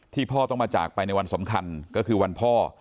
พ่อต้องมาจากไปในวันสำคัญก็คือวันพ่อ